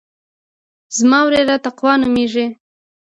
زما وريره تقوا نوميږي.